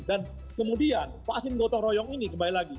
dan kemudian vaksin gotong royong ini kembali lagi